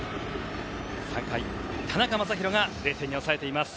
３回、田中将大が０点に抑えています。